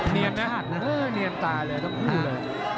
เนียมนะเนียมตายเลยทั้งคู่เลย